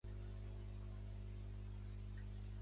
Pleguem, que aquí ja ens hi saben.